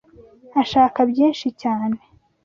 Ashaka byinshi cyane